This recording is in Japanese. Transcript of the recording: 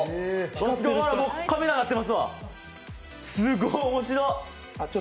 もうカメラになってますわ、すごい面白っ。